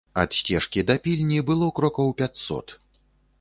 Ад сцежкі да пільні было крокаў пяцьсот.